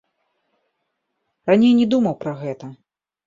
Раней не думаў пра гэта.